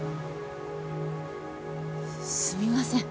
すみません。